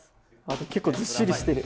結構ずっしりしてる。